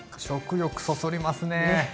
食欲そそりますね！